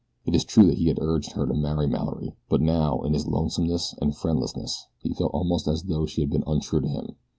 It is true that he had urged her to marry Mallory; but now, in his lonesomeness and friendlessness, he felt almost as though she had been untrue to him.